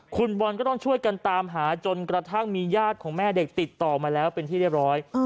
คุณบอลก็ต้องช่วยกันตามหาจนกระทั่งมีญาติของแม่เด็กติดต่อมาแล้วเป็นที่เรียบร้อย